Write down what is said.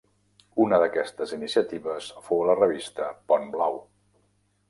Una d’aquestes iniciatives fou la revista Pont Blau.